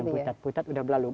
bukan puntat puntat sudah berlalu